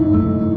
aku mau ke rumah